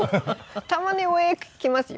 たまに上へ来ますよ